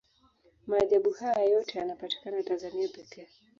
maajabu haya yote yanapatikana tanzania pekee